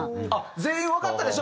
全員わかったでしょ？